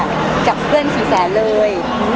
กับเพื่อนสี่แสนเลย